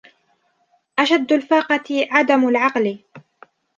أشد الفاقة عدم العقل